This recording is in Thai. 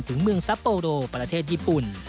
ถึงเมืองซัปโปโรประเทศญี่ปุ่น